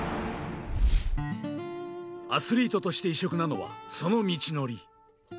アスリートとして異色なのは、その道のり。